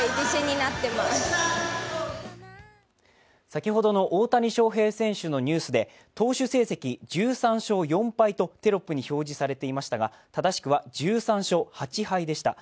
先ほどの大谷翔平選手のニュースで投手成績１３勝４敗とテロップに表示されていましたが、正しくは１３勝８敗でした。